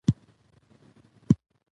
په زندان کي یې آغازي ترانې کړې